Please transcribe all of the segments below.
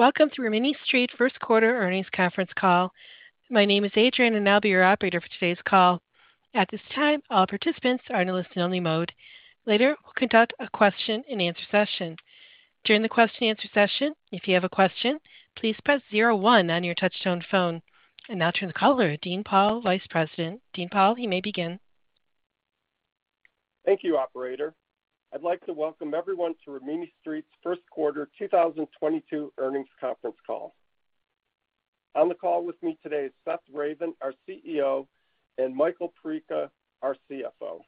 Welcome to Rimini Street First Quarter Earnings Conference Call. My name is Adrienne, and I'll be your operator for today's call. At this time, all participants are in a listen-only mode. Later, we'll conduct a question-and-answer session. During the question-and-answer session, if you have a question, please press zero one on your touchtone phone. Now I turn the call over to Dean Pohl, Vice President. Dean Pohl, you may begin. Thank you, operator. I'd like to welcome everyone to Rimini Street's First Quarter 2022 Earnings Conference Call. On the call with me today is Seth Ravin, our CEO, and Michael Perica, our CFO.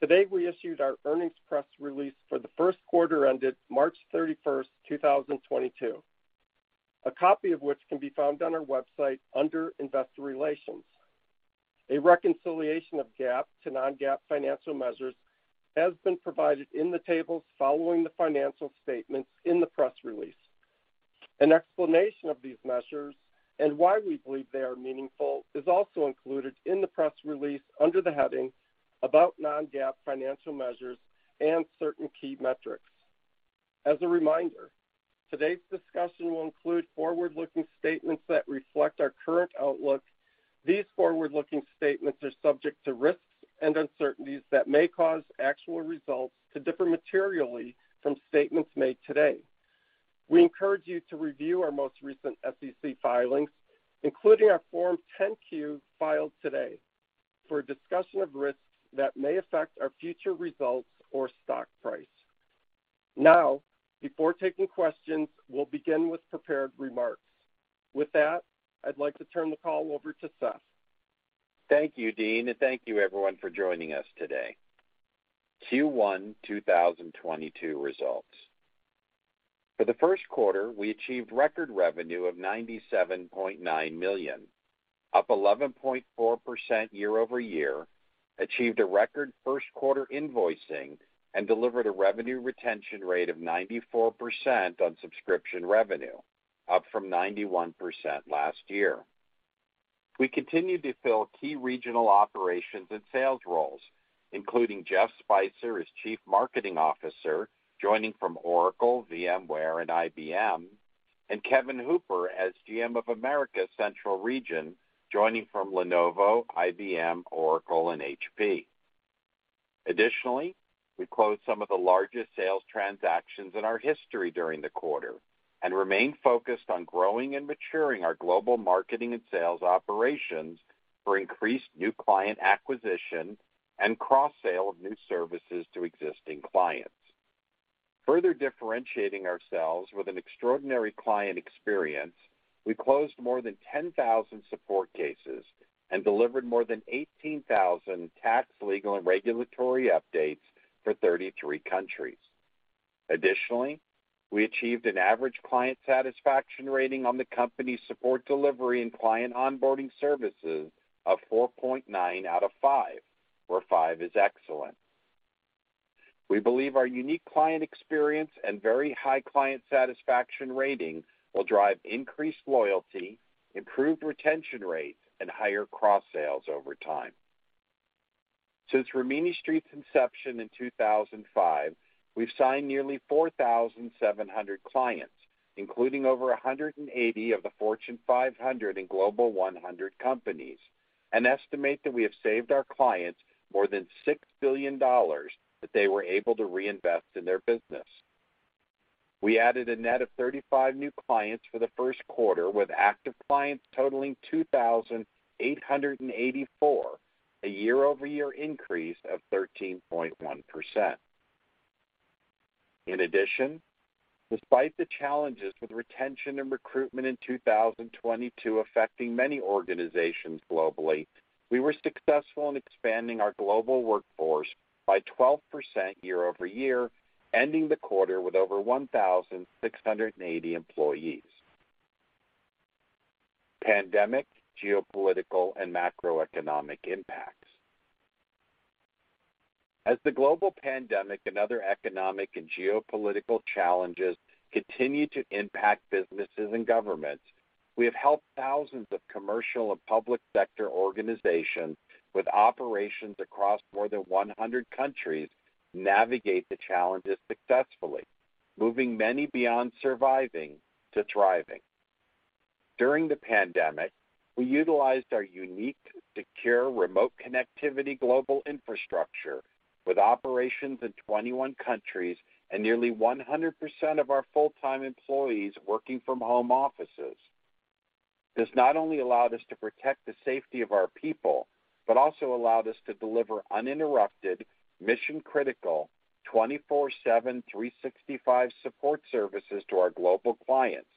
Today, we issued our earnings press release for the first quarter ended March 31, 2022. A copy of which can be found on our website under Investor Relations. A reconciliation of GAAP to non-GAAP financial measures has been provided in the tables following the financial statements in the press release. An explanation of these measures and why we believe they are meaningful is also included in the press release under the heading About Non-GAAP Financial Measures and Certain Key Metrics. As a reminder, today's discussion will include forward-looking statements that reflect our current outlook. These forward-looking statements are subject to risks and uncertainties that may cause actual results to differ materially from statements made today. We encourage you to review our most recent SEC filings, including our Form 10-Q filed today, for a discussion of risks that may affect our future results or stock price. Now, before taking questions, we'll begin with prepared remarks. With that, I'd like to turn the call over to Seth. Thank you, Dean, and thank you everyone for joining us today. Q1 2022 results. For the first quarter, we achieved record revenue of $97.9 million, up 11.4% year-over-year, achieved a record first quarter invoicing, and delivered a revenue retention rate of 94% on subscription revenue, up from 91% last year. We continued to fill key regional operations and sales roles, including Jeff Spicer as Chief Marketing Officer, joining from Oracle, VMware and IBM, and Kevin Hooper as GM of Americas Central Region, joining from Lenovo, IBM, Oracle and HP. Additionally, we closed some of the largest sales transactions in our history during the quarter and remain focused on growing and maturing our global marketing and sales operations for increased new client acquisition and cross-sale of new services to existing clients. Further differentiating ourselves with an extraordinary client experience, we closed more than 10,000 support cases and delivered more than 18,000 tax, legal, and regulatory updates for 33 countries. Additionally, we achieved an average client satisfaction rating on the company's support delivery and client onboarding services of 4.9 out of 5, where five is excellent. We believe our unique client experience and very high client satisfaction rating will drive increased loyalty, improved retention rates, and higher cross-sales over time. Since Rimini Street's inception in 2005, we've signed nearly 4,700 clients, including over 180 of the Fortune 500 and Global 100 companies, and estimate that we have saved our clients more than $6 billion that they were able to reinvest in their business. We added a net of 35 new clients for the first quarter, with active clients totaling 2,884, a year-over-year increase of 13.1%. In addition, despite the challenges with retention and recruitment in 2022 affecting many organizations globally, we were successful in expanding our global workforce by 12% year over year, ending the quarter with over 1,680 employees. Pandemic, geopolitical, and macroeconomic impacts. As the global pandemic and other economic and geopolitical challenges continue to impact businesses and governments, we have helped thousands of commercial and public sector organizations with operations across more than 100 countries navigate the challenges successfully, moving many beyond surviving to thriving. During the pandemic, we utilized our unique, secure, remote connectivity global infrastructure with operations in 21 countries and nearly 100% of our full-time employees working from home offices. This not only allowed us to protect the safety of our people, but also allowed us to deliver uninterrupted, mission-critical, 24/7, 365 support services to our global clients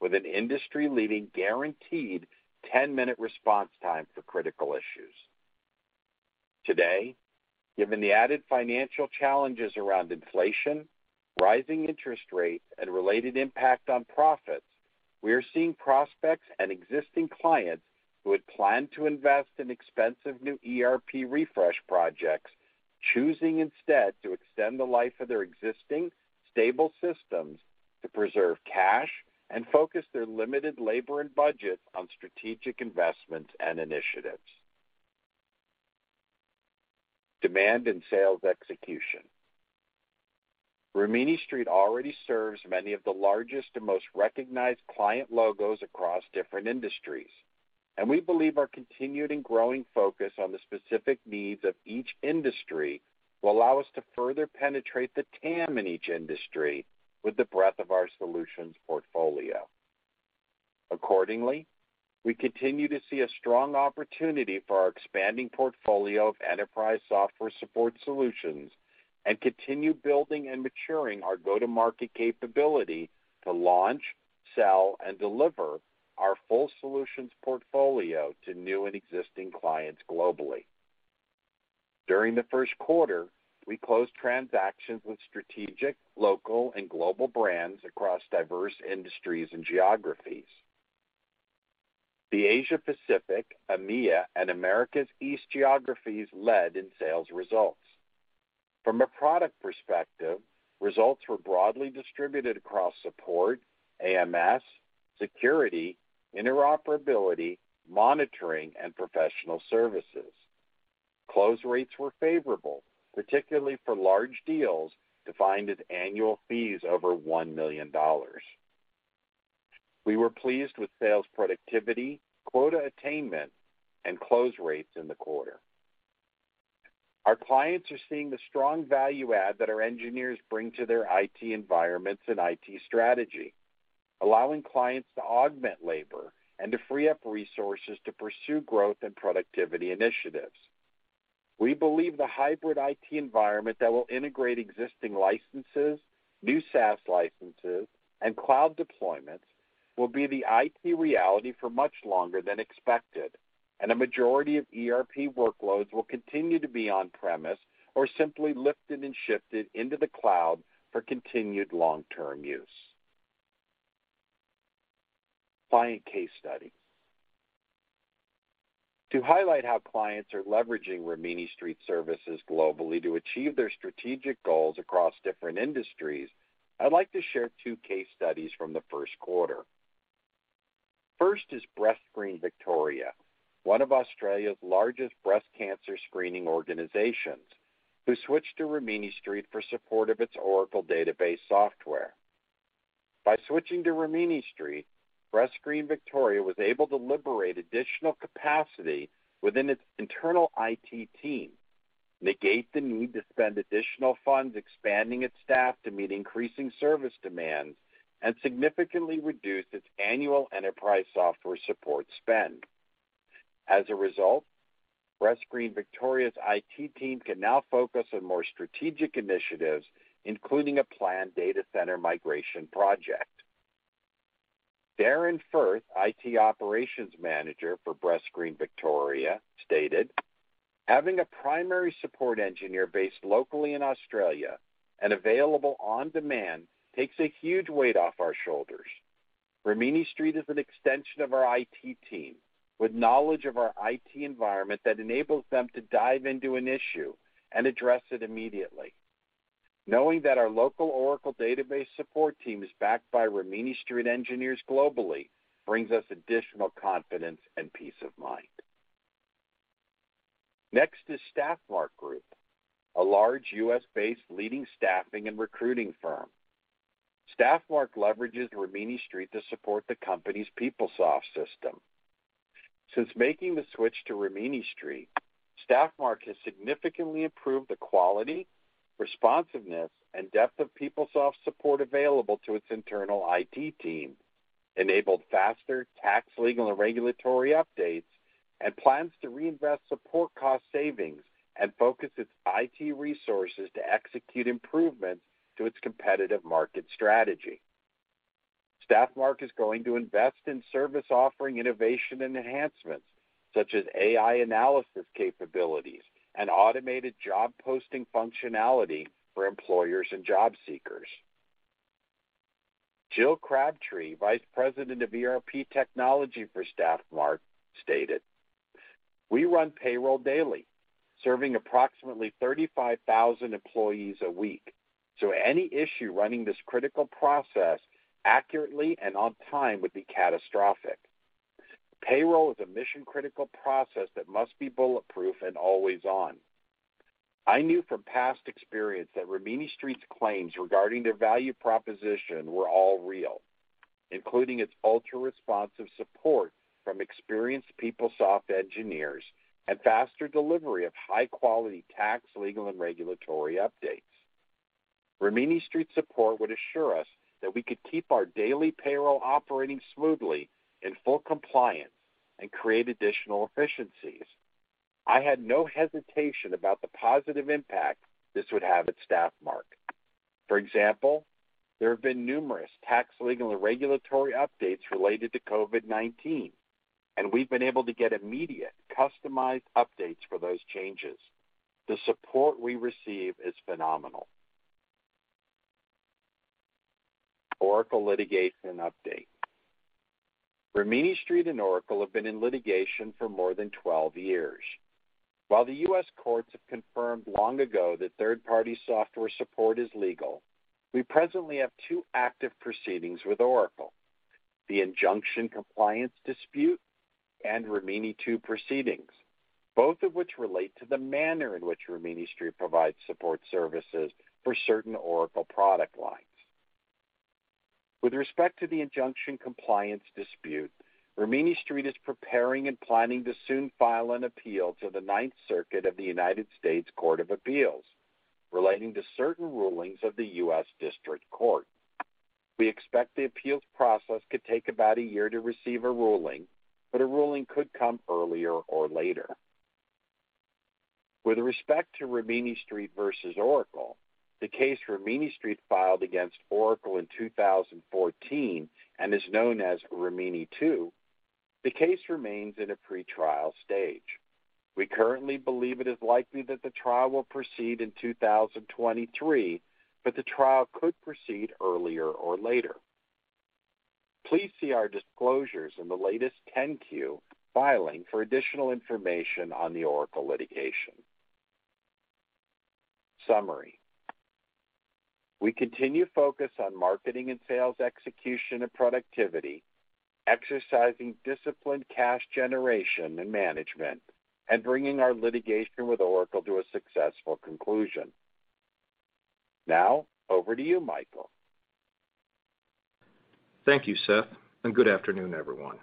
with an industry-leading guaranteed 10-minute response time for critical issues. Today, given the added financial challenges around inflation, rising interest rates, and related impact on profits, we are seeing prospects and existing clients who had planned to invest in expensive new ERP refresh projects, choosing instead to extend the life of their existing stable systems to preserve cash and focus their limited labor and budget on strategic investments and initiatives. Demand and sales execution. Rimini Street already serves many of the largest and most recognized client logos across different industries, and we believe our continued and growing focus on the specific needs of each industry will allow us to further penetrate the TAM in each industry with the breadth of our solutions portfolio. Accordingly, we continue to see a strong opportunity for our expanding portfolio of enterprise software support solutions and continue building and maturing our go-to-market capability to launch, sell, and deliver our full solutions portfolio to new and existing clients globally. During the first quarter, we closed transactions with strategic, local, and global brands across diverse industries and geographies. The Asia-Pacific, EMEA, and Americas East geographies led in sales results. From a product perspective, results were broadly distributed across support, AMS, security, interoperability, monitoring, and professional services. Close rates were favorable, particularly for large deals defined as annual fees over $1 million. We were pleased with sales productivity, quota attainment, and close rates in the quarter. Our clients are seeing the strong value add that our engineers bring to their IT environments and IT strategy, allowing clients to augment labor and to free up resources to pursue growth and productivity initiatives. We believe the hybrid IT environment that will integrate existing licenses, new SaaS licenses, and cloud deployments will be the IT reality for much longer than expected, and a majority of ERP workloads will continue to be on-premise or simply lifted and shifted into the cloud for continued long-term use. Client case studies. To highlight how clients are leveraging Rimini Street services globally to achieve their strategic goals across different industries, I'd like to share two case studies from the first quarter. First is BreastScreen Victoria, one of Australia's largest breast cancer screening organizations, who switched to Rimini Street for support of its Oracle database software. By switching to Rimini Street, BreastScreen Victoria was able to liberate additional capacity within its internal IT team, negate the need to spend additional funds expanding its staff to meet increasing service demands, and significantly reduce its annual enterprise software support spend. As a result, BreastScreen Victoria's IT team can now focus on more strategic initiatives, including a planned data center migration project. Darren Firth, IT Operations Manager for BreastScreen Victoria, stated, "Having a primary support engineer based locally in Australia and available on demand takes a huge weight off our shoulders. Rimini Street is an extension of our IT team with knowledge of our IT environment that enables them to dive into an issue and address it immediately. Knowing that our local Oracle database support team is backed by Rimini Street engineers globally brings us additional confidence and peace of mind." Next is Staffmark Group, a large U.S.-based leading staffing and recruiting firm. Staffmark leverages Rimini Street to support the company's PeopleSoft system. Since making the switch to Rimini Street, Staffmark has significantly improved the quality, responsiveness, and depth of PeopleSoft support available to its internal IT team, enabled faster tax, legal, and regulatory updates, and plans to reinvest support cost savings and focus its IT resources to execute improvements to its competitive market strategy. Staffmark is going to invest in service offering innovation and enhancements, such as AI analysis capabilities and automated job posting functionality for employers and job seekers. Jill Crabtree, Vice President, ERP Technology, Staffmark, stated, "We run payroll daily, serving approximately 35,000 employees a week, so any issue running this critical process accurately and on time would be catastrophic. Payroll is a mission-critical process that must be bulletproof and always on. I knew from past experience that Rimini Street's claims regarding their value proposition were all real, including its ultra-responsive support from experienced PeopleSoft engineers and faster delivery of high-quality tax, legal, and regulatory updates. Rimini Street support would assure us that we could keep our daily payroll operating smoothly in full compliance and create additional efficiencies. I had no hesitation about the positive impact this would have at Staffmark. For example, there have been numerous tax, legal, and regulatory updates related to COVID-19, and we've been able to get immediate customized updates for those changes. The support we receive is phenomenal. Oracle litigation update. Rimini Street and Oracle have been in litigation for more than 12 years. While the U.S. courts have confirmed long ago that third-party software support is legal, we presently have two active proceedings with Oracle. The injunction compliance dispute and Rimini II proceedings, both of which relate to the manner in which Rimini Street provides support services for certain Oracle product lines. With respect to the injunction compliance dispute, Rimini Street is preparing and planning to soon file an appeal to the Ninth Circuit of the United States Court of Appeals relating to certain rulings of the U.S. District Court. We expect the appeals process could take about a year to receive a ruling, but a ruling could come earlier or later. With respect to Rimini Street versus Oracle, the case Rimini Street filed against Oracle in 2014 and is known as Rimini II, the case remains in a pretrial stage. We currently believe it is likely that the trial will proceed in 2023, but the trial could proceed earlier or later. Please see our disclosures in the latest 10-Q filing for additional information on the Oracle litigation. Summary. We continue to focus on marketing and sales execution and productivity, exercising disciplined cash generation and management, and bringing our litigation with Oracle to a successful conclusion. Now, over to you, Michael. Thank you, Seth, and good afternoon, everyone.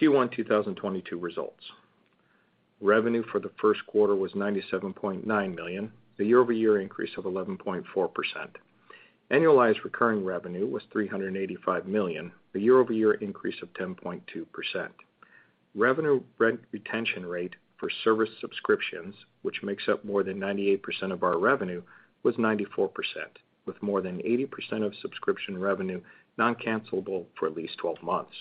Q1 2022 results. Revenue for the first quarter was $97.9 million, a year-over-year increase of 11.4%. Annualized recurring revenue was $385 million, a year-over-year increase of 10.2%. Revenue retention rate for service subscriptions, which makes up more than 98% of our revenue, was 94%, with more than 80% of subscription revenue non-cancellable for at least 12 months.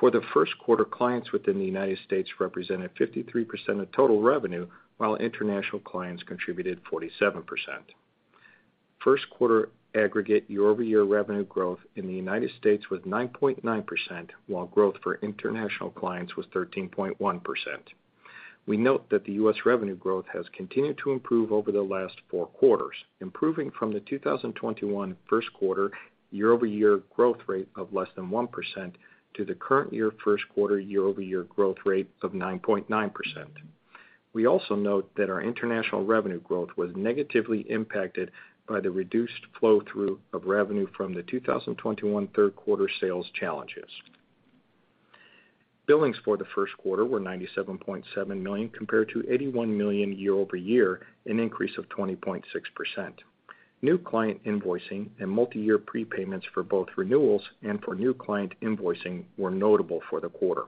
For the first quarter, clients within the United States represented 53% of total revenue, while international clients contributed 47%. First quarter aggregate year-over-year revenue growth in the United States was 9.9%, while growth for international clients was 13.1%. We note that the U.S. revenue growth has continued to improve over the last four quarters, improving from the 2021 first quarter year-over-year growth rate of less than 1% to the current year first quarter year-over-year growth rate of 9.9%. We also note that our international revenue growth was negatively impacted by the reduced flow through of revenue from the 2021 third quarter sales challenges. Billings for the first quarter were $97.7 million compared to $81 million year-over-year, an increase of 20.6%. New client invoicing and multiyear prepayments for both renewals and for new client invoicing were notable for the quarter.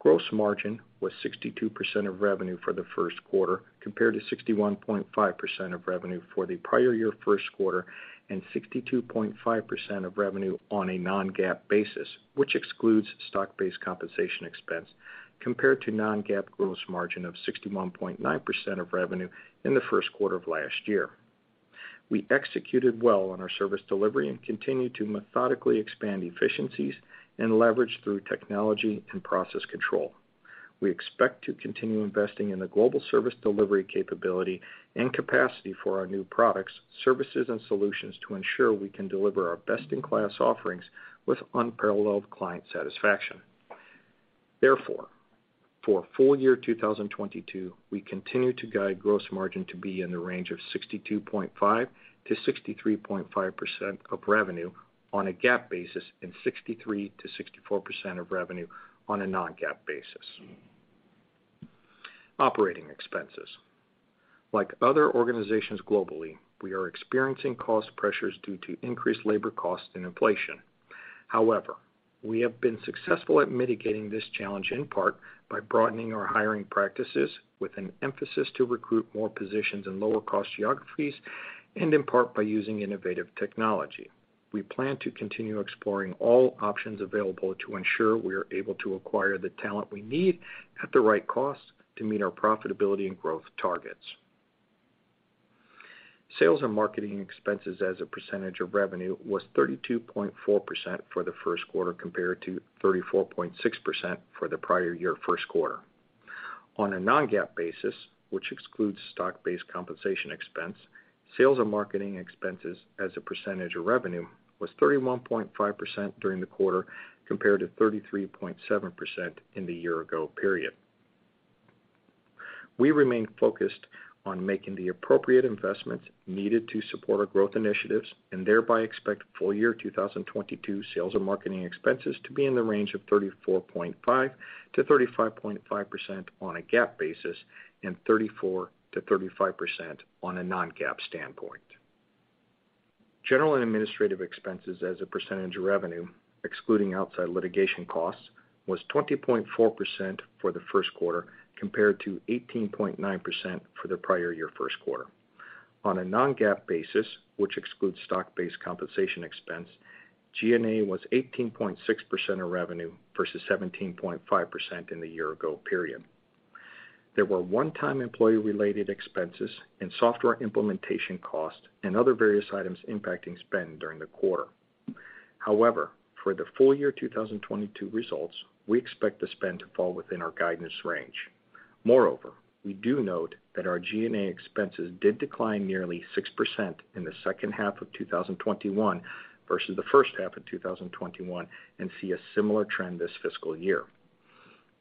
Gross margin was 62% of revenue for the first quarter, compared to 61.5% of revenue for the prior year first quarter and 62.5% of revenue on a non-GAAP basis, which excludes stock-based compensation expense compared to non-GAAP gross margin of 61.9% of revenue in the first quarter of last year. We executed well on our service delivery and continue to methodically expand efficiencies and leverage through technology and process control. We expect to continue investing in the global service delivery capability and capacity for our new products, services, and solutions to ensure we can deliver our best-in-class offerings with unparalleled client satisfaction. Therefore, for full year 2022, we continue to guide gross margin to be in the range of 62.5%-63.5% of revenue on a GAAP basis and 63%-64% of revenue on a non-GAAP basis. Operating expenses. Like other organizations globally, we are experiencing cost pressures due to increased labor costs and inflation. However, we have been successful at mitigating this challenge, in part by broadening our hiring practices with an emphasis to recruit more positions in lower cost geographies and in part by using innovative technology. We plan to continue exploring all options available to ensure we are able to acquire the talent we need at the right cost to meet our profitability and growth targets. Sales and marketing expenses as a percentage of revenue was 32.4% for the first quarter compared to 34.6% for the prior year first quarter. On a non-GAAP basis, which excludes stock-based compensation expense, sales and marketing expenses as a percentage of revenue was 31.5% during the quarter, compared to 33.7% in the year ago period. We remain focused on making the appropriate investments needed to support our growth initiatives, and thereby expect full year 2022 sales and marketing expenses to be in the range of 34.5%-35.5% on a GAAP basis and 34%-35% on a non-GAAP standpoint. General and administrative expenses as a percentage of revenue excluding outside litigation costs was 20.4% for the first quarter, compared to 18.9% for the prior year first quarter. On a non-GAAP basis, which excludes stock-based compensation expense, G&A was 18.6% of revenue versus 17.5% in the year ago period. There were one-time employee-related expenses and software implementation costs and other various items impacting spend during the quarter. However, for the full year 2022 results, we expect the spend to fall within our guidance range. Moreover, we do note that our G&A expenses did decline nearly 6% in the second half of 2021 versus the first half of 2021 and see a similar trend this fiscal year.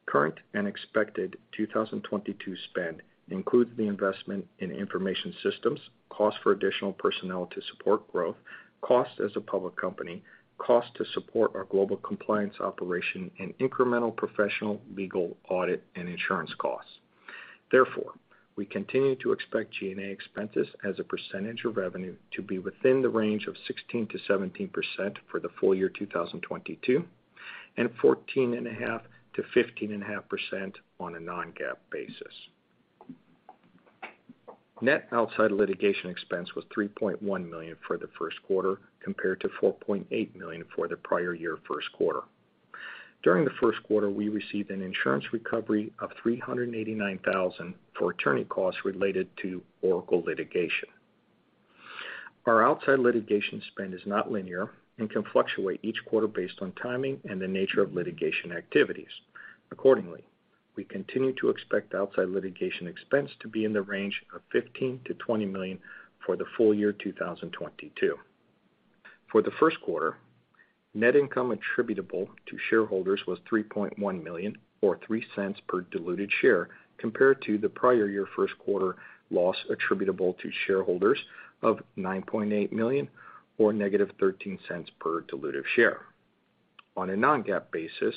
Current and expected 2022 spend includes the investment in information systems, cost for additional personnel to support growth, costs as a public company, costs to support our global compliance operation, and incremental professional, legal, audit, and insurance costs. Therefore, we continue to expect G&A expenses as a percentage of revenue to be within the range of 16%-17% for the full year 2022 and 14.5%-15.5% on a non-GAAP basis. Net outside litigation expense was $3.1 million for the first quarter compared to $4.8 million for the prior year first quarter. During the first quarter, we received an insurance recovery of $389,000 for attorney costs related to Oracle litigation. Our outside litigation spend is not linear and can fluctuate each quarter based on timing and the nature of litigation activities. Accordingly, we continue to expect outside litigation expense to be in the range of $15 million-$20 million for the full year 2022. For the first quarter, net income attributable to shareholders was $3.1 million, or $0.03 per diluted share, compared to the prior year first quarter loss attributable to shareholders of $9.8 million or -$0.13 per diluted share. On a non-GAAP basis,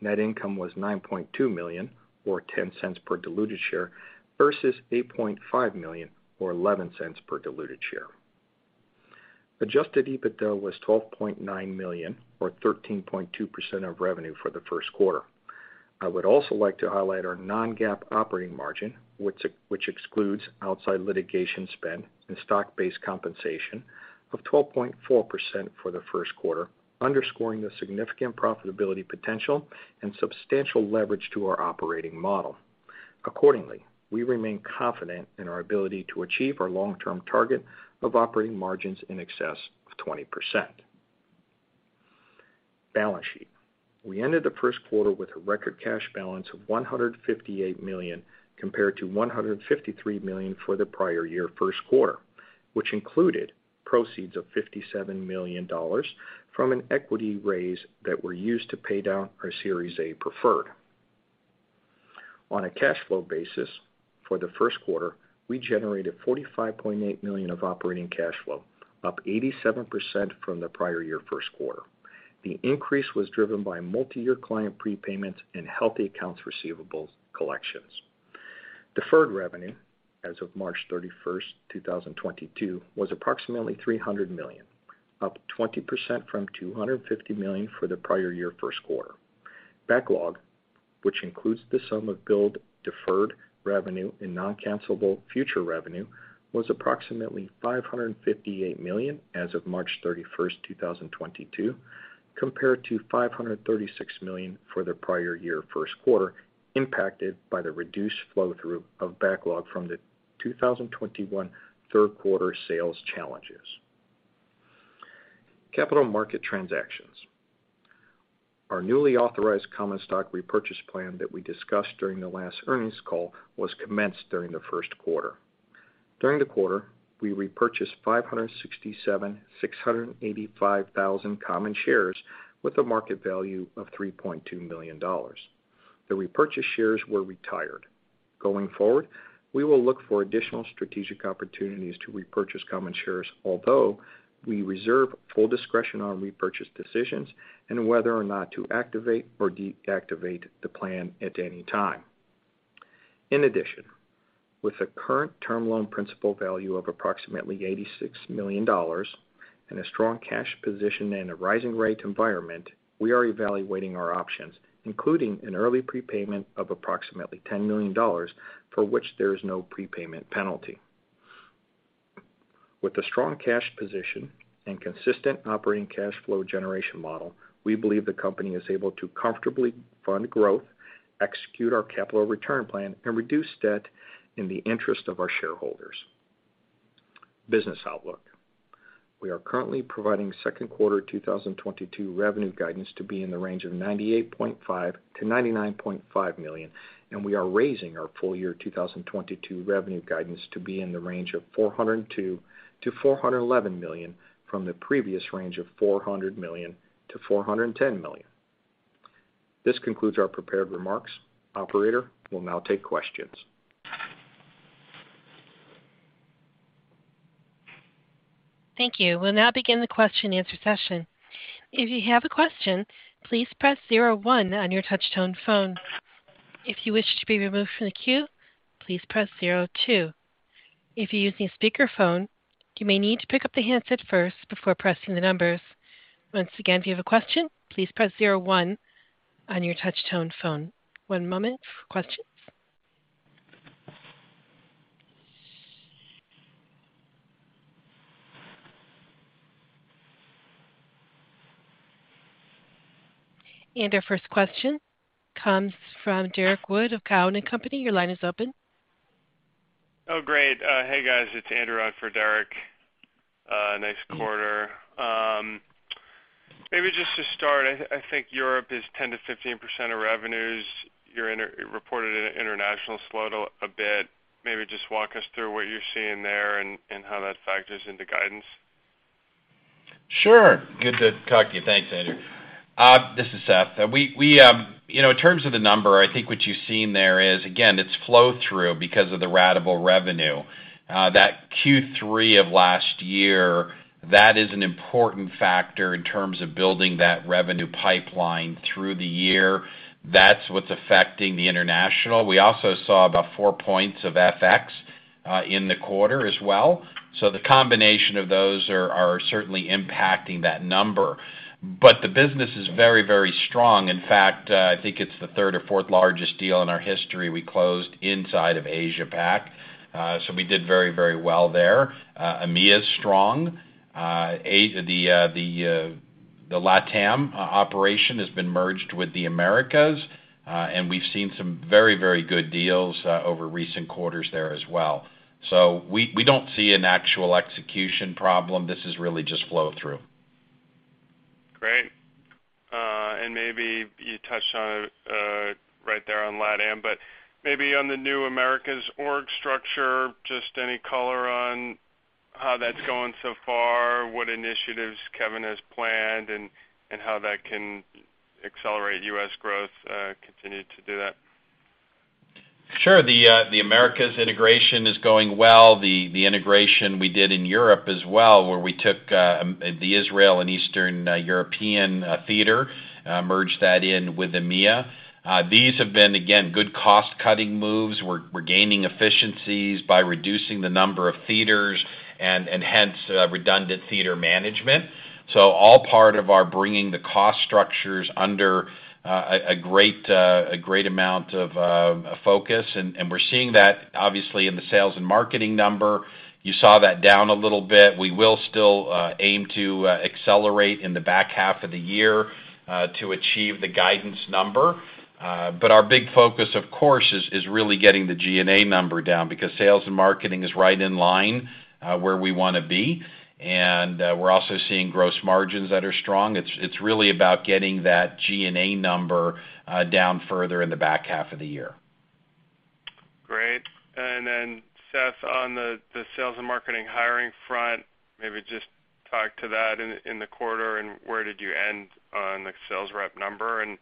net income was $9.2 million or $0.10 per diluted share versus $8.5 million or $0.11 per diluted share. Adjusted EBITDA was $12.9 million or 13.2% of revenue for the first quarter. I would also like to highlight our non-GAAP operating margin, which excludes outside litigation spend and stock-based compensation of 12.4% for the first quarter, underscoring the significant profitability potential and substantial leverage to our operating model. Accordingly, we remain confident in our ability to achieve our long-term target of operating margins in excess of 20%. Balance sheet. We ended the first quarter with a record cash balance of $158 million compared to $153 million for the prior year first quarter, which included proceeds of $57 million from an equity raise that were used to pay down our Series A preferred. On a cash flow basis for the first quarter, we generated 45.8 million of operating cash flow, up 87% from the prior year first quarter. The increase was driven by multiyear client prepayments and healthy accounts receivable collections. Deferred revenue as of March 31st, 2022 was approximately $300 million, up 20% from $250 million for the prior year first quarter. Backlog, which includes the sum of billed deferred revenue and non-cancelable future revenue, was approximately $558 million as of March 31st, 2022, compared to $536 million for the prior year first quarter, impacted by the reduced flow through of backlog from the 2021 third quarter sales challenges. Capital market transactions. Our newly authorized common stock repurchase plan that we discussed during the last earnings call was commenced during the first quarter. During the quarter, we repurchased 567,685 common shares with a market value of $3.2 million. The repurchase shares were retired. Going forward, we will look for additional strategic opportunities to repurchase common shares, although we reserve full discretion on repurchase decisions and whether or not to activate or deactivate the plan at any time. In addition, with the current term loan principal value of approximately $86 million and a strong cash position in a rising rate environment, we are evaluating our options, including an early prepayment of approximately $10 million, for which there is no prepayment penalty. With a strong cash position and consistent operating cash flow generation model, we believe the company is able to comfortably fund growth, execute our capital return plan, and reduce debt in the interest of our shareholders. Business outlook. We are currently providing second quarter 2022 revenue guidance to be in the range of $98.5 million-$99.5 million, and we are raising our full year 2022 revenue guidance to be in the range of $402 million-$411 million from the previous range of $400 million-$410 million. This concludes our prepared remarks. Operator, we'll now take questions. Thank you. We'll now begin the question answer session. If you have a question, please press zero one on your touch tone phone. If you wish to be removed from the queue, please press zero two. If you're using a speakerphone, you may need to pick up the handset first before pressing the numbers. Once again, if you have a question, please press zero one on your touch tone phone. One moment for questions. Our first question comes from Derrick Wood of Cowen and Company. Your line is open. Oh, great. Hey, guys, it's Andrew on for Derrick Wood. Nice quarter. Maybe just to start, I think Europe is 10%-15% of revenues. You reported international slowed a bit. Maybe just walk us through what you're seeing there and how that factors into guidance. Sure. Good to talk to you. Thanks, Andrew. This is Seth. In terms of the number, I think what you've seen there is, again, it's flow-through because of the ratable revenue. That Q3 of last year, that is an important factor in terms of building that revenue pipeline through the year. That's what's affecting the international. We also saw about four points of FX in the quarter as well. The combination of those are certainly impacting that number. The business is very, very strong. In fact, I think it's the third or fourth largest deal in our history we closed inside of Asia Pac. We did very, very well there. EMEA is strong. The LatAM operation has been merged with the Americas, and we've seen some very good deals over recent quarters there as well. We don't see an actual execution problem. This is really just flow-through. Great. Maybe you touched on it, right there on LatAM, but maybe on the new Americas org structure, just any color on how that's going so far, what initiatives Kevin has planned, and how that can accelerate U.S. growth, continue to do that? Sure. The Americas integration is going well. The integration we did in Europe as well, where we took the Israel and Eastern European theater, merged that in with EMEA. These have been, again, good cost-cutting moves. We're gaining efficiencies by reducing the number of theaters and hence redundant theater management. All part of our bringing the cost structures under a great amount of focus. We're seeing that obviously in the sales and marketing number. You saw that down a little bit. We will still aim to accelerate in the back half of the year to achieve the guidance number. Our big focus, of course, is really getting the G&A number down because sales and marketing is right in line where we wanna be. We're also seeing gross margins that are strong. It's really about getting that G&A number down further in the back half of the year. Great. Seth, on the sales and marketing hiring front, maybe just talk to that in the quarter and where did you end on the sales rep number and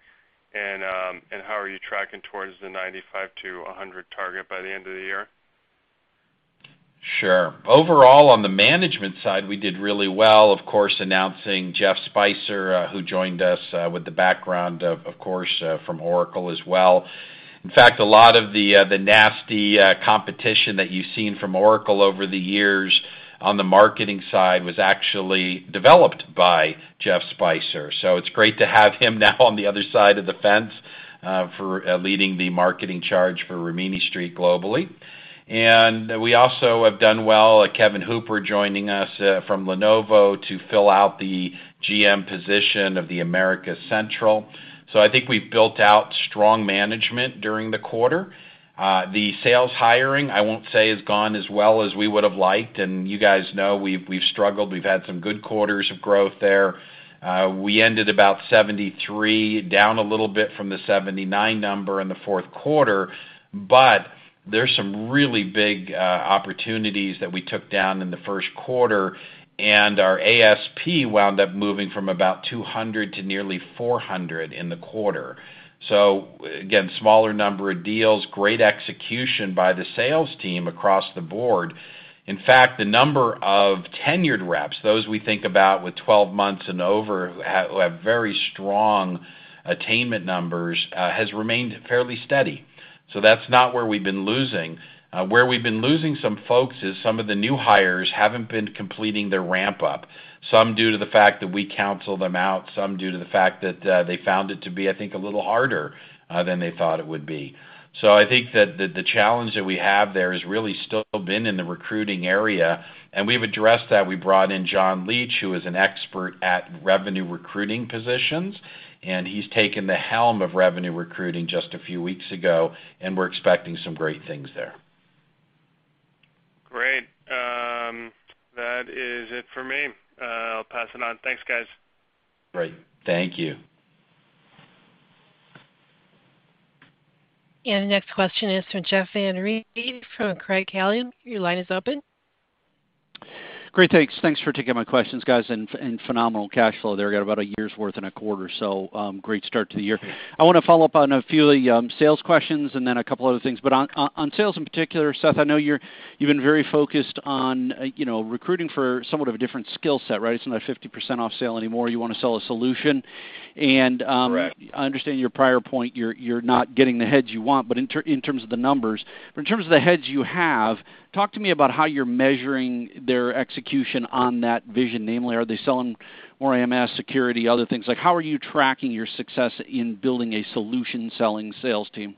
how are you tracking towards the 95 to 100 target by the end of the year? Overall, on the management side, we did really well, of course, announcing Jeff Spicer, who joined us, with the background of course, from Oracle as well. In fact, a lot of the nasty competition that you've seen from Oracle over the years on the marketing side was actually developed by Jeff Spicer. It's great to have him now on the other side of the fence, for leading the marketing charge for Rimini Street globally. We also have done well, Kevin Hooper joining us, from Lenovo to fill out the GM position of the Americas Central. I think we've built out strong management during the quarter. The sales hiring, I won't say has gone as well as we would have liked, and you guys know we've struggled. We've had some good quarters of growth there. We ended about 73, down a little bit from the 79 number in the fourth quarter, but there's some really big opportunities that we took down in the first quarter, and our ASP wound up moving from about 200 to nearly 400 in the quarter. Again, smaller number of deals, great execution by the sales team across the board. In fact, the number of tenured reps, those we think about with 12 months and over, have very strong attainment numbers, has remained fairly steady. That's not where we've been losing. Where we've been losing some folks is some of the new hires haven't been completing their ramp up, some due to the fact that we counsel them out, some due to the fact that they found it to be a little harder than they thought it would be. I think that the challenge that we have there has really still been in the recruiting area, and we've addressed that. We brought in John Leach, who is an expert at revenue recruiting positions, and he's taken the helm of revenue recruiting just a few weeks ago, and we're expecting some great things there. Great. That is it for me. I'll pass it on. Thanks, guys. Great. Thank you. The next question is from Jeff Van Rhee from Craig-Hallum. Your line is open. Great, thanks. Thanks for taking my questions, guys. Phenomenal cash flow there. Got about a year's worth in a quarter. Great start to the year. I wanna follow up on a few of the sales questions and then a couple other things. On sales in particular, Seth, I know you've been very focused on recruiting for somewhat of a different skill set, right? It's not a 50% off sale anymore. You wanna sell a solution. Correct. I understand your prior point, you're not getting the heads you want, but in terms of the numbers. In terms of the heads you have, talk to me about how you're measuring their execution on that vision. Namely, are they selling more AMS, security, other things? Like, how are you tracking your success in building a solution-selling sales team?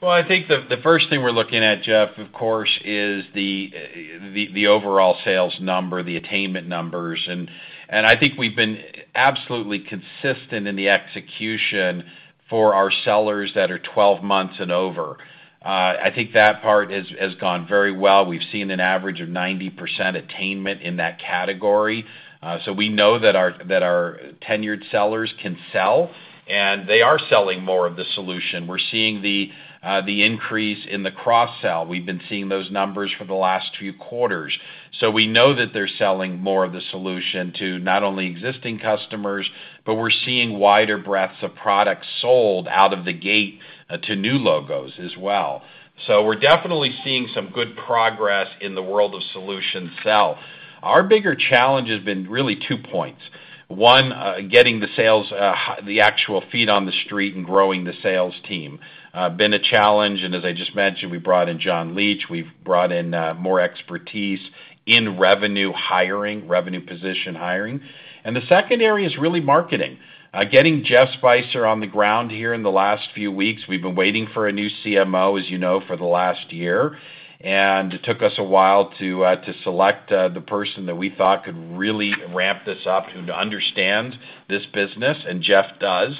Well, I think the first thing we're looking at, Jeff, of course, is the overall sales number, the attainment numbers. I think we've been absolutely consistent in the execution. For our sellers that are 12 months and over, I think that part has gone very well. We've seen an average of 90% attainment in that category. We know that our tenured sellers can sell, and they are selling more of the solution. We're seeing the increase in the cross-sell. We've been seeing those numbers for the last few quarters. We know that they're selling more of the solution to not only existing customers, but we're seeing wider breadths of products sold out of the gate to new logos as well. We're definitely seeing some good progress in the world of solution sell. Our bigger challenge has been really two points. One, getting the sales, the actual feet on the street and growing the sales team, been a challenge, and as I just mentioned, we brought in John Leach, we've brought in, more expertise in revenue hiring, revenue position hiring. The second area is really marketing. Getting Jeff Spicer on the ground here in the last few weeks. We've been waiting for a new CMO, as you know, for the last year, and it took us a while to select, the person that we thought could really ramp this up and to understand this business, and Jeff does.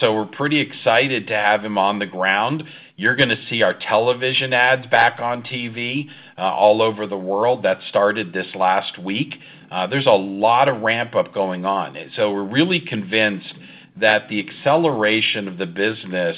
We're pretty excited to have him on the ground. You're gonna see our television ads back on TV, all over the world. That started this last week. There's a lot of ramp-up going on. We're really convinced that the acceleration of the business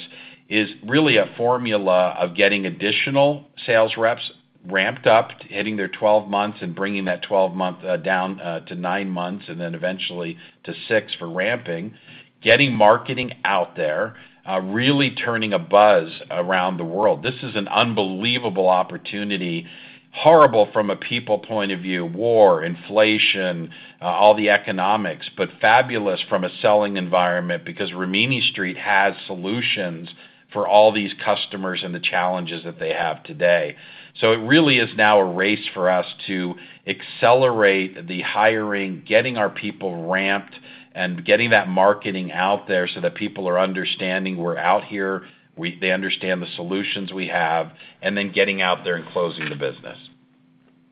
is really a formula of getting additional sales reps ramped up, hitting their 12 months and bringing that 12-month down to nine months, and then eventually to six for ramping. Getting marketing out there, really turning a buzz around the world. This is an unbelievable opportunity. Horrible from a people point of view, war, inflation, all the economics, but fabulous from a selling environment because Rimini Street has solutions for all these customers and the challenges that they have today. It really is now a race for us to accelerate the hiring, getting our people ramped, and getting that marketing out there so that people are understanding we're out here, they understand the solutions we have, and then getting out there and closing the business.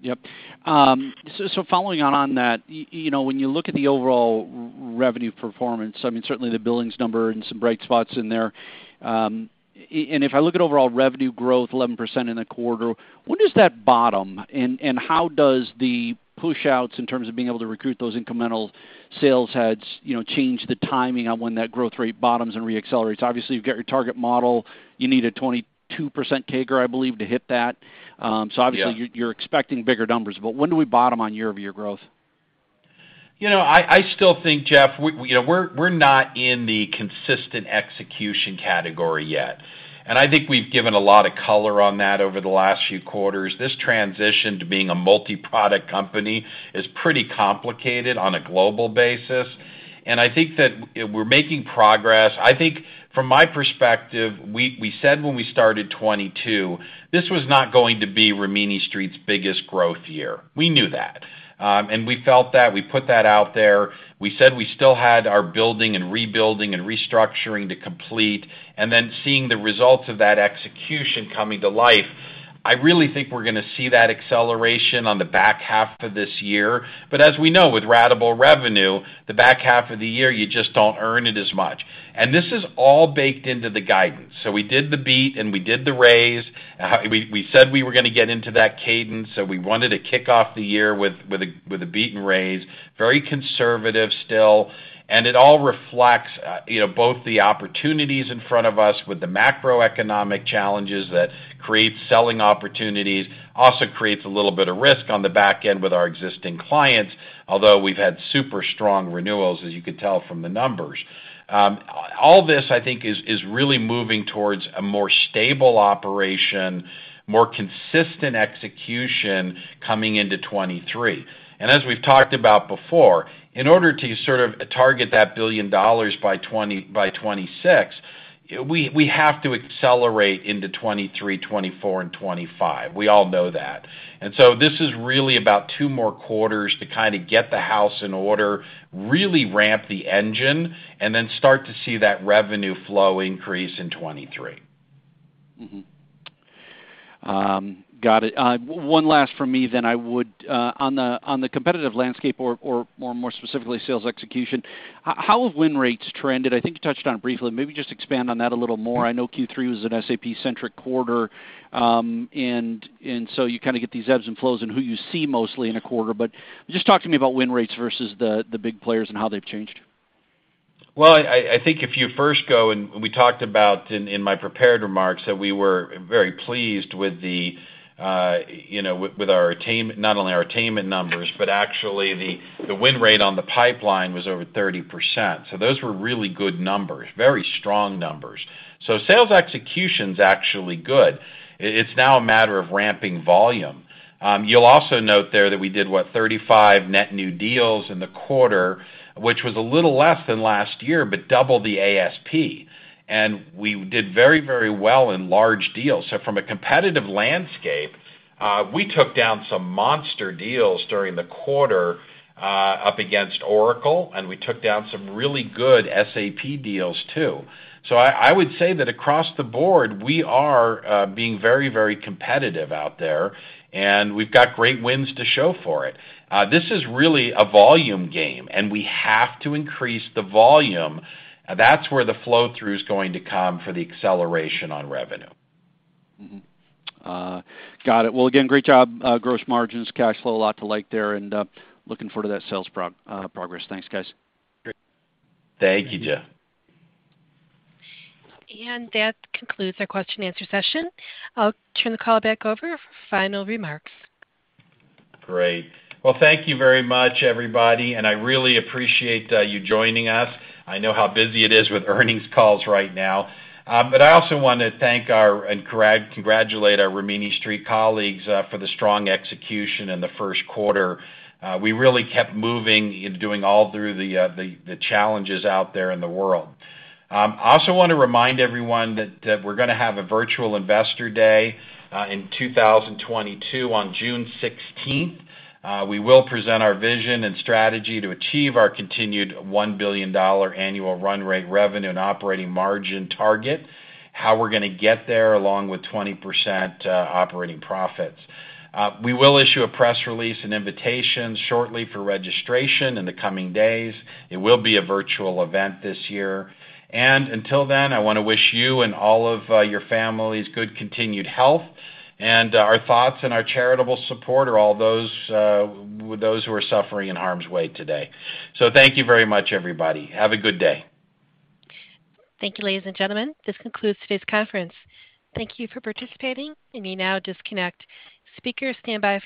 Yep. Following on that when you look at the overall revenue performance, I mean, certainly the billings number and some bright spots in there, and if I look at overall revenue growth, 11% in the quarter, when does that bottom? How does the push-outs in terms of being able to recruit those incremental sales heads change the timing on when that growth rate bottoms and re-accelerates? Obviously, you've got your target model. You need a 22% CAGR, I believe, to hit that. Obviously, Yeah You're expecting bigger numbers. When do we bottom on year-over-year growth? I still think Jeff, we're not in the consistent execution category yet. I think we've given a lot of color on that over the last few quarters. This transition to being a multi-product company is pretty complicated on a global basis, and I think that we're making progress. I think from my perspective, we said when we started 2022, this was not going to be Rimini Street's biggest growth year. We knew that. We felt that. We put that out there. We said we still had our building and rebuilding and restructuring to complete, and then seeing the results of that execution coming to life. I really think we're gonna see that acceleration on the back half of this year. As we know, with ratable revenue, the back half of the year, you just don't earn it as much. This is all baked into the guidance. We did the beat and we did the raise. We said we were gonna get into that cadence, so we wanted to kick off the year with a beat and raise. Very conservative still. It all reflects both the opportunities in front of us with the macroeconomic challenges that create selling opportunities, also creates a little bit of risk on the back end with our existing clients, although we've had super strong renewals, as you could tell from the numbers. All this, I think, is really moving towards a more stable operation, more consistent execution coming into 2023. As we've talked about before, in order to sort of target that $1 billion by 2026, we have to accelerate into 2023, 2024, and 2025. We all know that. This is really about two more quarters to kinda get the house in order, really ramp the engine, and then start to see that revenue flow increase in 2023. Got it. On the competitive landscape or more specifically sales execution, how have win rates trended? I think you touched on it briefly. Maybe just expand on that a little more. I know Q3 was an SAP-centric quarter, and so you kinda get these ebbs and flows in who you see mostly in a quarter. Just talk to me about win rates versus the big players and how they've changed. Well, I think if you first go, and we talked about in my prepared remarks, that we were very pleased with our attainment, not only our attainment numbers, but actually the win rate on the pipeline was over 30%. Those were really good numbers, very strong numbers. Sales execution's actually good. It's now a matter of ramping volume. You'll also note there that we did 35 net new deals in the quarter, which was a little less than last year, but double the ASP. We did very, very well in large deals. From a competitive landscape, we took down some monster deals during the quarter, up against Oracle, and we took down some really good SAP deals too. I would say that across the board, we are being very, very competitive out there, and we've got great wins to show for it. This is really a volume game, and we have to increase the volume. That's where the flow-through is going to come for the acceleration on revenue. Got it. Well, again, great job. Gross margins, cash flow, a lot to like there, and looking forward to that sales progress. Thanks, guys. Thank you, Jeff. That concludes our question and answer session. I'll turn the call back over for final remarks. Great. Well, thank you very much, everybody, and I really appreciate you joining us. I know how busy it is with earnings calls right now. I also want to thank and congratulate our Rimini Street colleagues for the strong execution in the first quarter. We really kept moving and doing all through the challenges out there in the world. I also want to remind everyone that we're gonna have a virtual investor day in 2022 on June 16. We will present our vision and strategy to achieve our continued $1 billion annual run rate revenue and operating margin target, how we're gonna get there, along with 20% operating profits. We will issue a press release and invitation shortly for registration in the coming days. It will be a virtual event this year. Until then, I wanna wish you and all of your families good continued health, and our thoughts and our charitable support are with all those who are suffering in harm's way today. Thank you very much, everybody. Have a good day. Thank you, ladies and gentlemen. This concludes today's conference. Thank you for participating. You may now disconnect. Speakers, standby for.